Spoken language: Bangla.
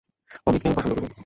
অমিতকে আমি পছন্দ করি।